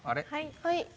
はい。